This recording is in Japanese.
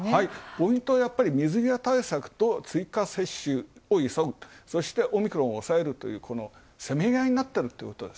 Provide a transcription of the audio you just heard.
ポイントはやっぱり水際対策と追加静止を急ぐ、そして、オミクロンを抑えるというせめぎあいになってる。